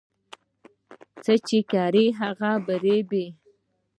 هر څه چې کرې هغه به ریبې